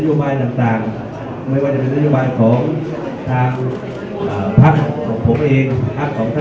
นโบไรนำตาลไม่ว่าจะเป็นนโบไรของทางอ่ามันเปล่าของแหละ